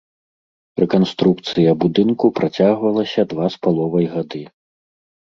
Рэканструкцыя будынку працягвалася два з паловай гады.